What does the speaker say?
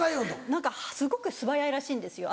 何かすごく素早いらしいんですよ